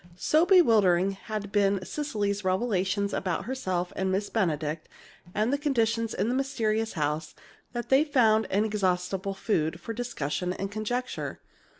So bewildering had been Cecily's revelations about herself and Miss Benedict and the conditions in the mysterious house, that they found inexhaustible food for discussion and conjecture.